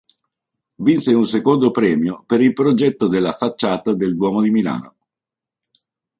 Vinse un secondo premio per il progetto della facciata del Duomo di Milano.